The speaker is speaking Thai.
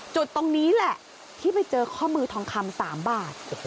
จุดตรงนี้แหละที่ไปเจอข้อมือทองคำ๓บาท